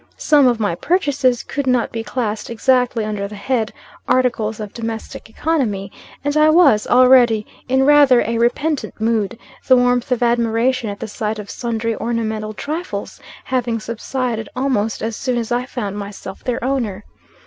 Some of my purchases could not be classed exactly under the head, "Articles of Domestic Economy," and I was, already, in rather a repentant mood the warmth of admiration at the sight of sundry ornamental trifles having subsided almost as soon as I found myself their owner.